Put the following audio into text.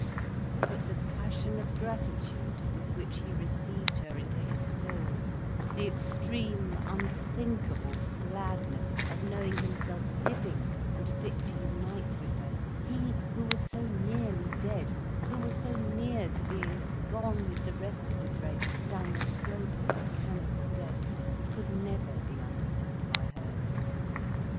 But the passion of gratitude with which he received her into his soul, the extreme, unthinkable gladness of knowing himself living and fit to unite with her, he, who was so nearly dead, who was so near to being gone with the rest of his race down the slope of mechanical death, could never be understood by her.